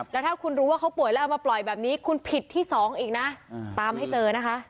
แล้วถ้าคุณรู้ว่าเขาป่วยแล้วเอามาปล่อยแบบนี้คุณผิดที่๒อีกนะตามให้เจอนะคะ